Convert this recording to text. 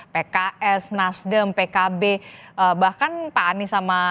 pks nasdem pkb bahkan pak anies sama